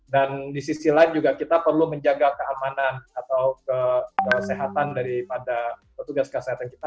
dan di sisi lain juga kita perlu menjaga keamanan atau kesehatan daripada petugas kesehatan kita